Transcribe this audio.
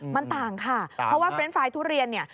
มันต่างค่ะเพราะว่าเฟรนด์ไฟล์ทุเรียนเนี่ย